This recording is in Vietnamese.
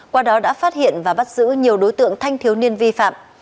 qua đó đã phát hiện và bắt giữ nhiều đối tượng thanh thiếu niên vi phạm